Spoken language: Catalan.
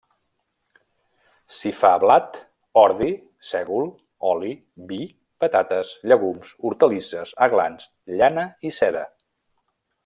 S'hi fa blat, ordi, sègol, oli, vi, patates, llegums, hortalisses, aglans, llana i seda.